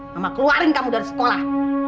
mama keluarin kamu dari sekolah